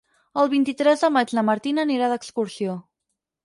El vint-i-tres de maig na Martina anirà d'excursió.